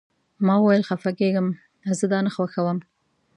ما وویل: خفه کیږم، زه دا نه خوښوم.